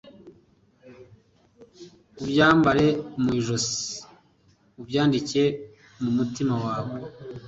ubyambare mu ijosi, ubyandike mu mutima wawe